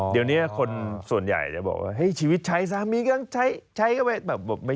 เดี๋ยวนี้คนส่วนใหญ่จะบอกว่า